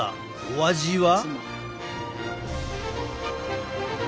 お味は？